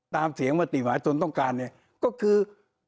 ตามเสียงมติมหาชนต้องการเนี่ยก็คือ